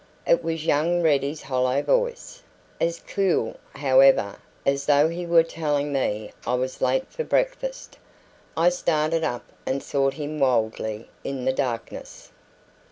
It was young Ready's hollow voice, as cool, however, as though he were telling me I was late for breakfast. I started up and sought him wildly in the darkness.